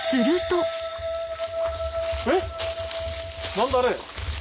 何だあれ！